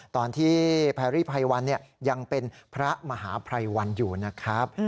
ตอนที่แพรรี่ไพรวันยังเป็นพระมหาภัยวันอยู่นะครับ